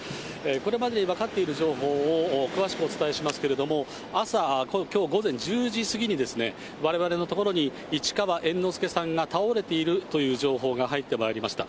これまでに分かっている情報を詳しくお伝えしますけれども、朝、きょう午前１０時過ぎに、われわれのところに、市川猿之助さんが倒れているという情報が入ってまいりました。